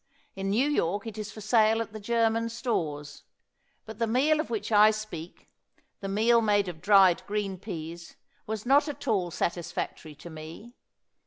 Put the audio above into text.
In New York it is for sale at the German stores; but the meal of which I speak, the meal made of dried green peas, was not at all satisfactory to me.